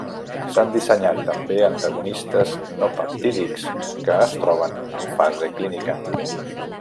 S’han dissenyat també antagonistes no peptídics que es troben en fase clínica.